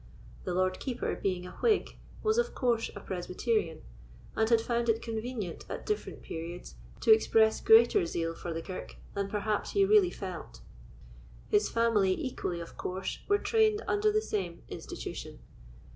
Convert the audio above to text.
The Lord Keeper, being a Whig, was, of course, a Presbyterian, and had found it convenient, at different periods, to express greater zeal for the kirk than perhaps he really felt. His family, equally of course, were trained under the same institution.